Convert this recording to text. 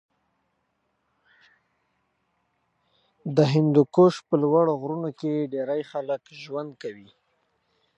د هندوکش په لوړو غرونو کې ډېری خلک ژوند کوي.